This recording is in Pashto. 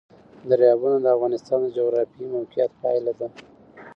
دریابونه د افغانستان د جغرافیایي موقیعت پایله ده.